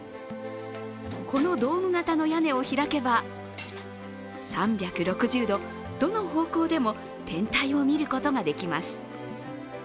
このドーム型の屋根を開けば、３６０度、どの方向でも天体を見ることができます。